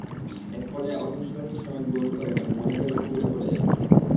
একপর্যায়ে অর্ধশতাধিক শ্রমিক বমি করেন এবং অনেকেই মাথা ঘুরে পড়ে যান।